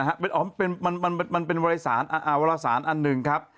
เดี๋ยวนะครับมันเป็นวัลสารอันหนึ่งครับ